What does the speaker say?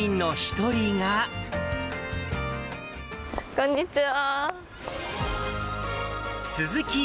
こんにちは。